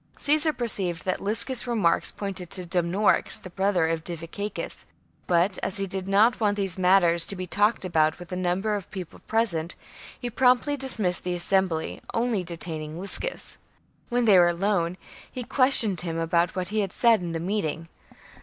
18. Caesar perceived that Liscus's remarks pointed to Dumnorix, the brother of Diviciacus ; but, as he did not want these matters to be talked about with a number of people present, he promptly dismissed the assembly, only detaining Liscus. When they were alone, he questioned him about what he had said in the meeting.